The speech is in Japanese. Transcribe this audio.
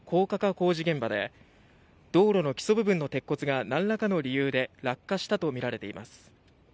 工事現場で道路の基礎部分の鉄骨がなんらかの理由で落下したとみられています。